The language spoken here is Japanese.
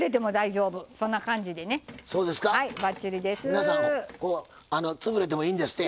皆さん潰れてもいいんですって。